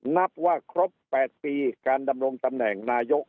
นับว่าครบ๘ปีการดำรงตำแหน่งนายก